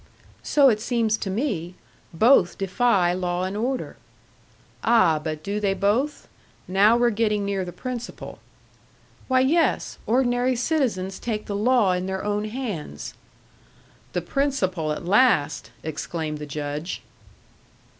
"So it seems to me. Both defy law and order." "Ah, but do they both? Now we're getting near the principle." "Why, yes. Ordinary citizens take the law in their own hands." "The principle at last!" exclaimed the Judge.